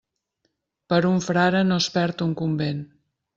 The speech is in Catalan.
Per un frare no es perd un convent.